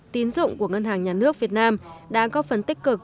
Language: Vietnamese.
tín dụng của ngân hàng nhà nước việt nam đã có phần tích cực